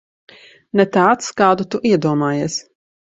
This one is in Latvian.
Ne tāds, kādu tu iedomājies.